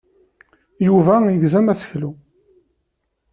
Yuba yegzem aseklu.